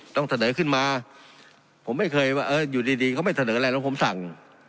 ต้องทะเดินขึ้นมาผมไม่เคยว่าอยู่ดีก็ไม่ทะเดินอะไรแล้วผมสั่ง